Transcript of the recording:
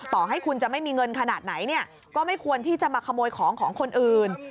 ต่อให้คุณจะไม่มีเงินขนาดไหนเนี่ยก็ไม่ควรที่จะมาขโมยของของคนอื่น